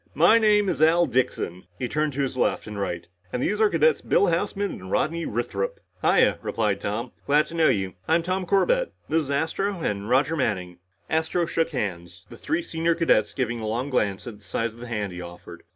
"My name is Al Dixon," he turned to his left and right, "and these are cadets Bill Houseman and Rodney Withrop." "Hiya," replied Tom. "Glad to know you. I'm Tom Corbett. This is Astro and Roger Manning." Astro shook hands, the three senior cadets giving a long glance at the size of the hand he offered.